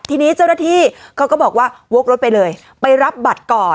ทีนี้เจ้าหน้าที่เขาก็บอกว่าวกรถไปเลยไปรับบัตรก่อน